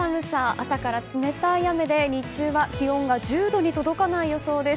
朝から冷たい雨で日中は気温が１０度に届かない予想です。